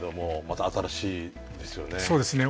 また新しいですよね。